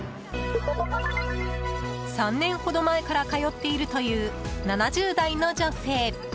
３年ほど前から通っているという７０代の女性。